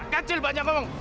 kacil banyak paman